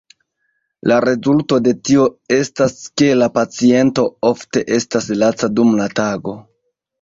La rezulto de tio estas ke la paciento ofte estas laca dum la tago.